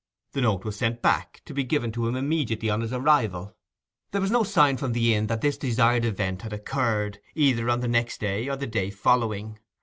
The note was sent back, to be given to him immediately on his arrival. There was no sign from the inn that this desired event had occurred, either on the next day or the day following.